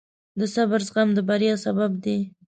د صبر زغم د بریا سبب دی.